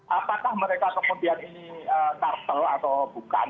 apakah mereka kemudian ini kartel atau bukan